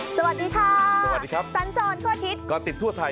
สวัสดีค่ะสันโจรทั่วอาทิตย์กะติดทั่วทัย